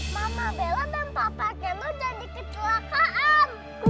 mama bella dan papa gelo udah dikecelakaan